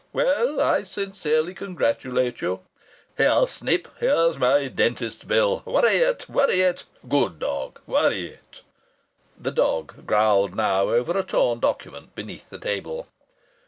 Well, I sincerely congratulate you.... Here, Snip, here's my dentist's bill worry it, worry it! Good dog! Worry it!" (The dog growled now over a torn document beneath the table.)